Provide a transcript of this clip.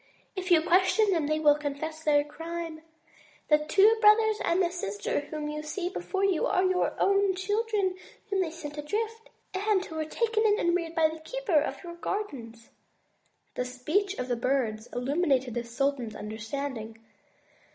If you question them, they will confess their crime. The two brothers and the sister whom you see before you are your own children, whom they sent adrift, and who were taken in and reared by the keeper of your gardens." This speech of the Bird's illumined the sultan's understanding.